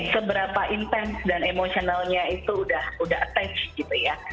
seberapa intens dan emosionalnya itu udah attach gitu ya